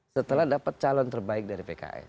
setelah dapat calon terbaik dari pks